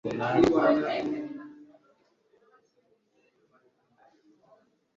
Kubwamahirwe duhatirwa mugihe runaka